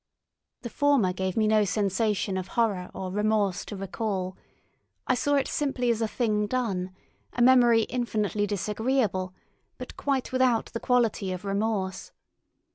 The former gave me no sensation of horror or remorse to recall; I saw it simply as a thing done, a memory infinitely disagreeable but quite without the quality of remorse.